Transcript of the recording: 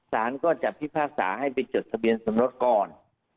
สารก็จะพิพากษาให้ไปจดทะเบียนสมรสก่อน